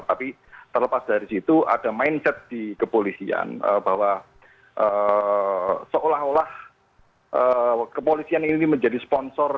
tapi terlepas dari situ ada mindset di kepolisian bahwa seolah olah kepolisian ini menjadi sponsor